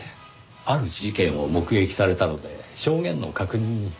ある事件を目撃されたので証言の確認に。